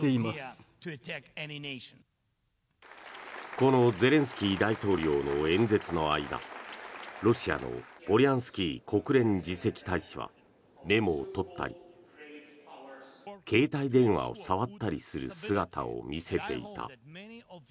このゼレンスキー大統領の演説の間ロシアのポリャンスキー国連次席大使はメモを取ったり携帯電話を触ったりする姿を見せていた。